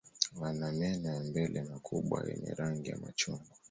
Wana meno ya mbele makubwa yenye rangi ya machungwa.